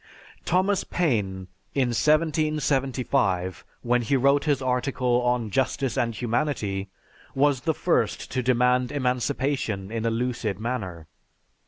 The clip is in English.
Thomas Paine, in 1775, when he wrote his article on "Justice and Humanity," was the first to demand emancipation in a lucid manner.